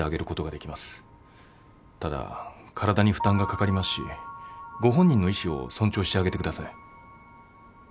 ただ体に負担がかかりますしご本人の意思を尊重してあげてください。